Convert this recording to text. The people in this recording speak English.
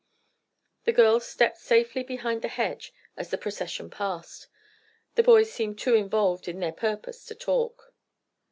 The girls stepped safely behind the hedge as the procession passed. The boys seemed too involved in their purpose to talk.